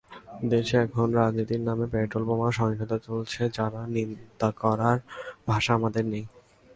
দেশে এখন রাজনীতির নামে পেট্রলবোমার সহিংসতা চলছে, যার নিন্দা করার ভাষা আমাদের নেই।